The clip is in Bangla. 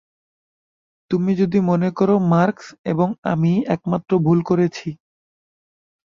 তুমি যদি মনে করো মার্কস এবং আমি একমাত্র ভুল করেছি।